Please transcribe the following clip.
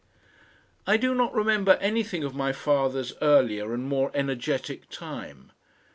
I do not remember anything of my father's earlier and more energetic time.